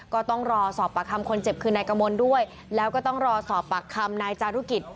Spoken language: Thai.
ก็ต้องรอสอบปากคำคนเจ็บคือนายกมลด้วยแล้วก็ต้องรอสอบปากคำนายจารุกิจ